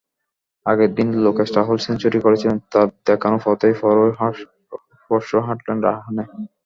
আগের দিন লোকেশ রাহুল সেঞ্চুরি করেছিলেন, তাঁর দেখানো পথেই পরশু হাঁটলেন রাহানে।